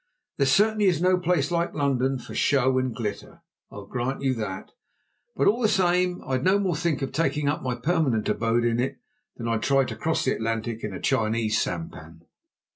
There certainly is no place like London for show and glitter, I'll grant you that; but all the same I'd no more think of taking up my permanent abode in it than I'd try to cross the Atlantic in a Chinese sampan.